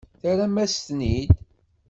Terram-as-ten-id.